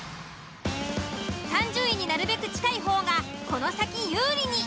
３０位になるべく近い方がこの先有利に。